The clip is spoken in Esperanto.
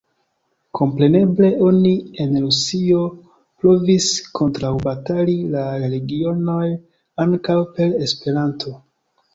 Kompreneble oni en Rusujo provis kontraŭbatali la religiojn ankaŭ per Esperanto.